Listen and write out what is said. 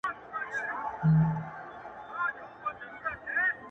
ستا د منزل د مسافرو قدر څه پیژني،